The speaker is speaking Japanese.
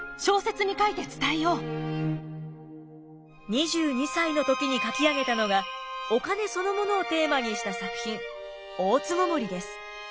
２２歳の時に書き上げたのがお金そのものをテーマにした作品「大つごもり」です。